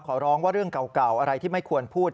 ขอร้องว่าเรื่องเก่าอะไรที่ไม่ควรพูด